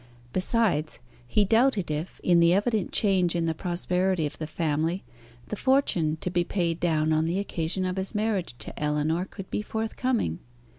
Besides, he doubted if, in the evident change in the prosperity of the family, the fortune to be paid down on the occasion of his marriage to Ellinor could be forthcoming.